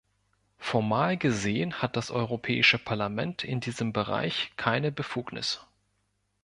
Formal gesehen hat das Europäische Parlament in diesem Bereich keine Befugnis.